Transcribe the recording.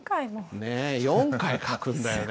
ねえ４回書くんだよね。